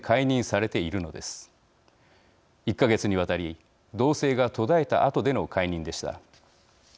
１か月にわたり動静が途絶えたあとでの解任でした。